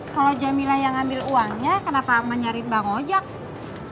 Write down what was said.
kalo jamilah yang ambil uangnya kenapa ama nyariin bang ojang